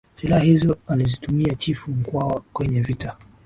silaha hizo alizitumia chifu mkwawa kwenye vita